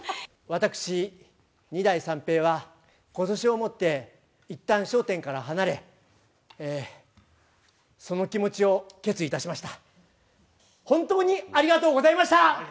私、二代三平は、ことしをもって、いったん笑点から離れ、その気持ちを決意いたしました。